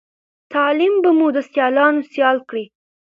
تعليم به مو د سیالانو سيال کړی